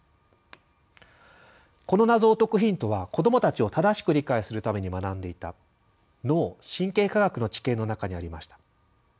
この謎を解くヒントは子どもたちを正しく理解するために学んでいた脳・神経科学の知見の中にありました。